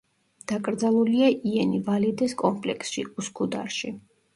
დაკრძალულია იენი ვალიდეს კომპლექსში, უსქუდარში.